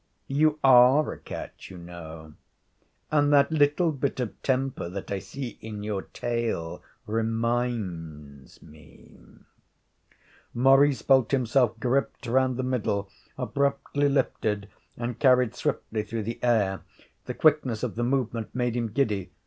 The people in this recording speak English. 'You are a cat, you know and that little bit of temper that I see in your tail reminds me ' Maurice felt himself gripped round the middle, abruptly lifted, and carried swiftly through the air. The quickness of the movement made him giddy.